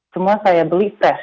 semua saya beli fresh